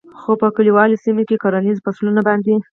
خو په کلیوالي سیمو او کرهنیزو فصلونو باندې